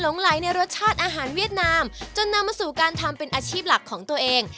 หลงไหลในรสชาติอาหารเวียดนามจนนำมาสู่การทำเป็นอาชีพหลักของตัวเอง